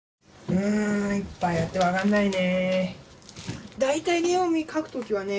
うんいっぱいあって分かんないね。